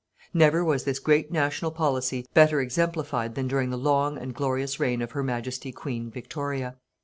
Never was this great national policy better exemplified than during the long and glorious reign of Her Majesty Queen Victoria.